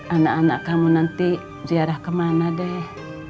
anak anak kamu nanti ziarah kemana deh